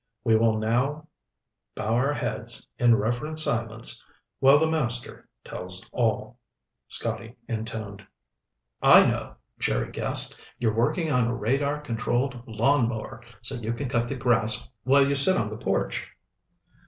"We will now bow our heads in reverent silence while the master tells all," Scotty intoned. "I know," Jerry guessed. "You're working on a radar controlled lawn mower so you can cut the grass while you sit on the porch."